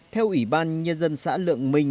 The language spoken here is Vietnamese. theo ủy ban nhân dân xã lượng minh